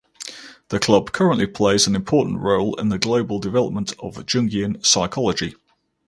The Club currently plays an important role in the global development of Jungian psychology.